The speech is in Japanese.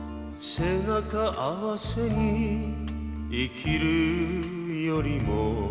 「背中合わせに生きるよりも」